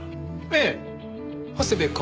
ええ長谷部薫。